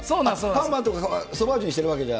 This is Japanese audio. パーマとかソバージュにしてるわけじゃ？